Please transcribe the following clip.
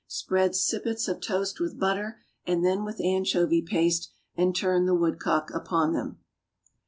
Spread sippets of toast with butter and then with anchovy paste, and turn the woodcock upon them.